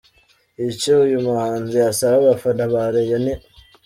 Icyo uyu muhanzi asaba abafana ba Rayon ni.